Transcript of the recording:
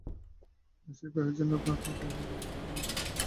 এই সপাহীর জন্য আপনার কোনো টেনশন করতে হবে না।